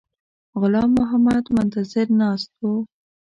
غلام محمد منتظر ناست وو.